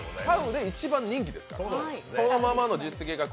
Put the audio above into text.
ＴＡＵで一番人気ですから。